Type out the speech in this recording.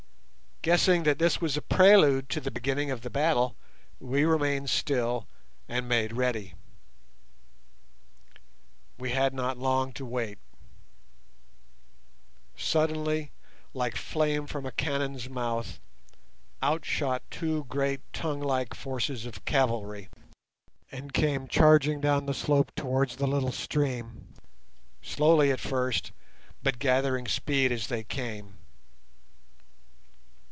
Guessing that this was a prelude to the beginning of the battle, we remained still and made ready. We had not long to wait. Suddenly, like flame from a cannon's mouth, out shot two great tongue like forces of cavalry, and came charging down the slope towards the little stream, slowly at first, but gathering speed as they came.